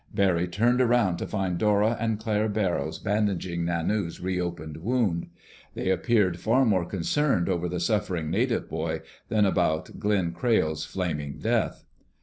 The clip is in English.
Barry turned around to find Dora and Claire Barrows bandaging Nanu's re opened wound. They appeared far more concerned over the suffering native boy than about Glenn Crayle's flaming death.